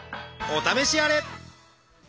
お試しあれ！